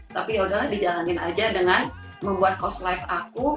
tapi yaudahlah dijalankan aja dengan membuat cost life aku